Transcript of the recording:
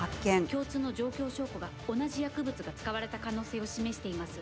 共通の状況証拠が同じ薬物が使われた可能性を示しています。